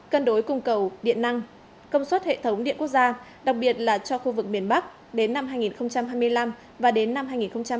cân đối cung cầu điện năng công suất hệ thống điện quốc gia đặc biệt là cho khu vực miền bắc đến năm hai nghìn hai mươi năm và đến năm hai nghìn ba mươi